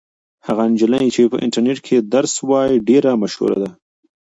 هغه نجلۍ چې په انټرنيټ کې درس وایي ډېره مشهوره ده.